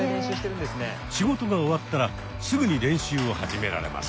仕事が終わったらすぐに練習を始められます。